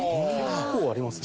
結構ありますね。